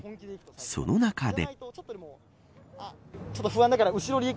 その中で。